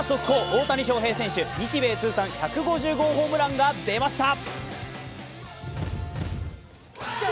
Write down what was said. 大谷翔平選手、日米通算１５０号ホームランが出ました！